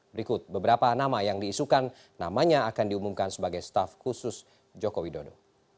berikut beberapa nama yang diisukan namanya akan diumumkan sebagai staff khusus joko widodo